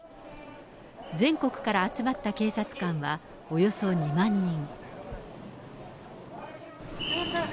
全国から集まった警察官はおよそ２万人。